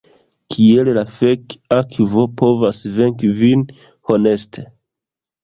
Kiel la fek' akvo povas venki vin, honeste?